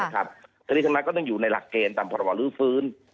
ทางนี้ทางนั้นก็ต้องอยู่ในหลักเกณฑ์ตามพาระบ่ารื้อฟื้น